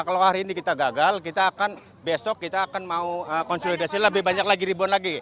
kalau hari ini kita gagal kita akan besok kita akan mau konsolidasi lebih banyak lagi ribuan lagi